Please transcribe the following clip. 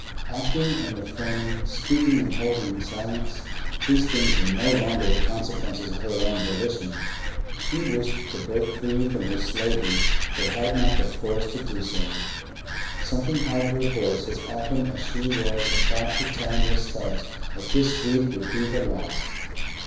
Acting and refraining, speaking and holding silence, these things were no longer the consequences of her own volition. She wished to break free from her slavery, but had not the force to do so; something held her voice as often as she was about to tell Mrs. Tubbs that this week would be the last.